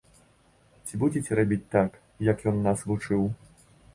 Ці будзеце рабіць так, як ён нас вучыў?